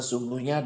dan juga para atlet